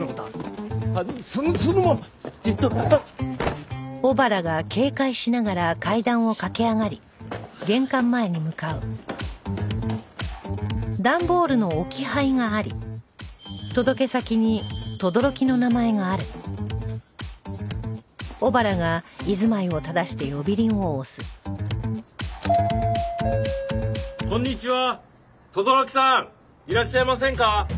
轟木さんいらっしゃいませんか？